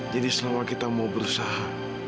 jadi selama kita mau berusaha